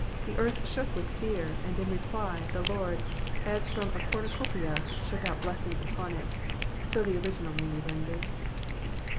The earth shook with fear, and in reply, the Lord, as from a cornucopia, shook out blessings upon it ; so the original may be rendered.